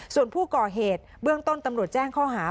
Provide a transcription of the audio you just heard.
ส่วนผู้ก่อเหตุเบื้องต้นตำรวจแจ้งข้อหา